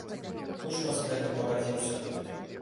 Кучма з гэтым пагадзіўся.